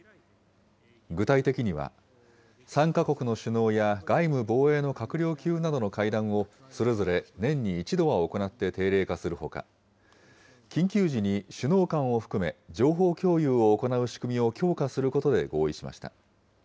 具体的には、３か国の首脳や外務防衛の閣僚級などの会談をそれぞれ年に１度は行って定例化するほか、緊急時に首脳間を含め情報共有を行う仕組みを強化することで合意しました。